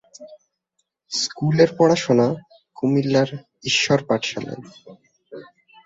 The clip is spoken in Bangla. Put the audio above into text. স্কুলের পড়াশোনা কুমিল্লার ঈশ্বর পাঠশালায়।